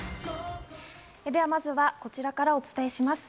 まずはこちらからお伝えします。